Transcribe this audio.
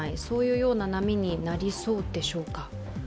そういう波になりそうでしょうか？